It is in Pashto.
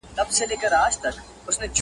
او پر ښکلې نوراني ږیره به توی کړي!